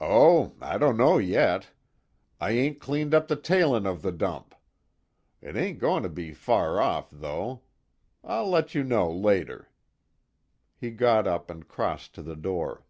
"Oh, I don't know yet. I ain't cleaned up the tailin' of the dump. It ain't goin' to be so far off, though. I'll let you know later." He got up and crossed to the door.